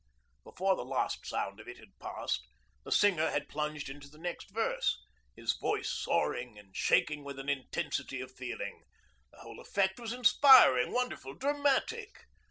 Before the last sound of it had passed, the singer had plunged into the next verse, his voice soaring and shaking with an intensity of feeling. The whole effect was inspiring, wonderful, dramatic.